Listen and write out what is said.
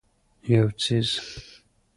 یو څیز